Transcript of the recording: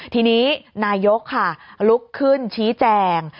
ทีนี้นายกค่ะลุกขึ้นชี้แจง